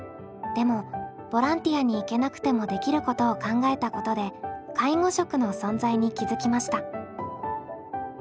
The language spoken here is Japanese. でもボランティアに行けなくてもできることを考えたことで介護食の存在に気付きました。